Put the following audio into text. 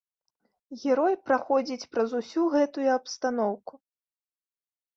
Герой праходзіць праз усю гэтую абстаноўку.